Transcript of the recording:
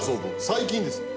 最近です。